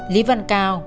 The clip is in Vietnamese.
lý văn cao